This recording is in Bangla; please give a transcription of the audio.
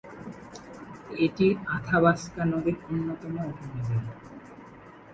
এটি আথাবাস্কা নদীর অন্যতম উপনদী।